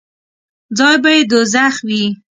ځای به یې دوږخ وي.